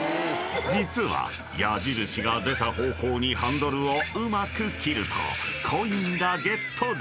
［実は矢印が出た方向にハンドルをうまく切るとコインがゲットできる］